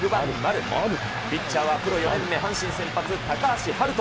ピッチャーはプロ４年目、阪神先発、高橋遥人。